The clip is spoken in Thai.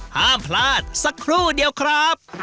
ห้ามพลาดสักครู่เดียวครับ